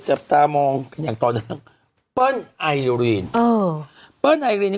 จับตามองอย่างตอนนั้นเปิ้ลไอรินเออเปิ้ลไอรินนี่